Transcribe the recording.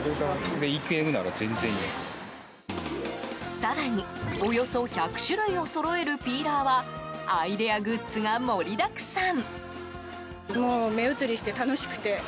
更におよそ１００種類をそろえるピーラーはアイデアグッズが盛りだくさん。